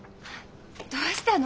どうしたの？